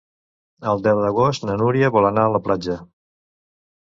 El deu d'agost na Núria vol anar a la platja.